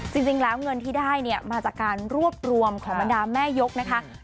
จริงแล้วเงินที่ได้เนี่ยมาจากการรวบรวมของบรรดาแม่ยกนะคะ